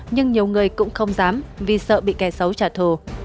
nhưng nhiều người cũng không dám vì sợ bị kẻ xấu trả thù